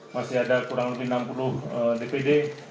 masih ada kurang lebih enam puluh dpd